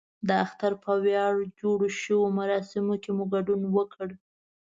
د اختر په ویاړ جوړو شویو مراسمو کې مو ګډون وکړ.